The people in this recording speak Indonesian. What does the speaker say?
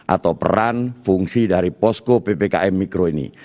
atau peran fungsi dari posko ppkm mikro ini